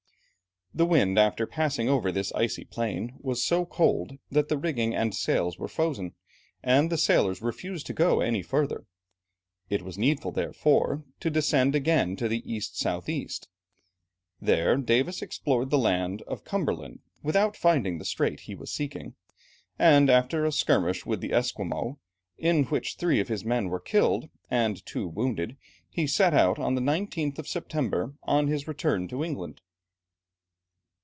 The wind after passing over this icy plain was so cold, that the rigging and sails were frozen, and the sailors refused to go any further. It was needful, therefore, to descend again to the east south east. There Davis explored the land of Cumberland, without finding the strait he was seeking, and after a skirmish with the Esquimaux, in which three of his men were killed, and two wounded, he set out on the 19th of September, on his return to England.